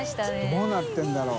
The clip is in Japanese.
どうなってるんだろう？